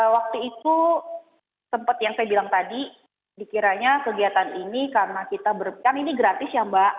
waktu itu sempat yang saya bilang tadi dikiranya kegiatan ini karena kita berpikir ini gratis ya mbak